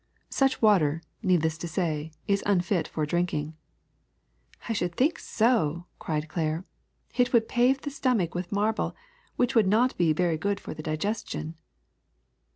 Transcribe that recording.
Such water, needless to say, is unfit for drinking. '' ^'I should think so!'' cried Claire. *^It would pave the stomach with marble, which would not be very good for the digestion."